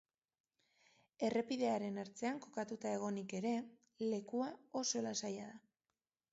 Errepidearen ertzean kokatuta egonik ere, lekua oso lasaia da.